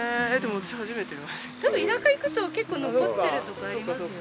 多分田舎行くと結構残ってるとこありますよね。